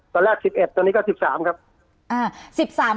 ตอนแรก๑๑ตอนนี้ก็๑๓ครับ